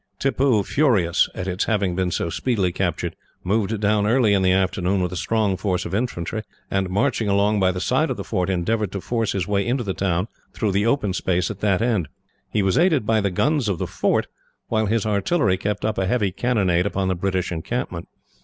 Tippoo, furious at its having been so speedily captured, moved down early in the afternoon with a strong force of infantry; and, marching along by the side of the fort, endeavoured to force his way into the town through the open space at that end. He was aided by the guns of the fort, while his artillery kept up a heavy cannonade upon the British encampment.